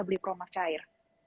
beli peromah cair